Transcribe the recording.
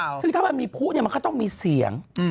คือถ้ามีผู้มันก็ต้องมีเสียง